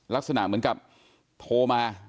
ลักษณะเหมือนกับโทรมา